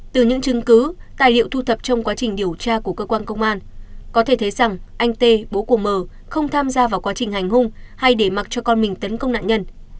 từ những chứng cứ tài liệu thu thập trong quá trình điều tra của cơ quan công an có thể thấy rằng anh tê bố của mờ không tham gia vào quá trình hành hung hay để mặc cho con mình tấn công nạn nhân